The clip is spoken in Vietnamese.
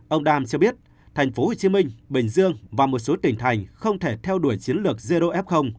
ông đam cho biết tp hcm bình dương và một số tỉnh thành không thể theo đuổi chiến lược zof